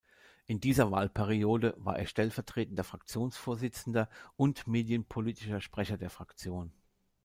In dieser Wahlperiode war er stellvertretender Fraktionsvorsitzender und medienpolitischer Sprecher der Fraktion.